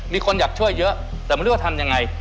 มีคนอยากช่วยเยอะแต่ไม่รู้ว่าทำยังไง